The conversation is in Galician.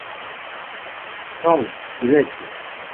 Non. Filete...